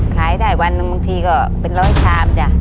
ขายได้วันหนึ่งบางทีก็เป็นร้อยชามจ้ะ